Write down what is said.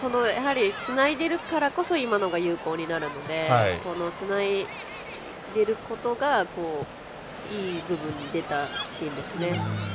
つないでるからこそ今のが有効になるのでつないでることがいい部分出たシーンでしたね。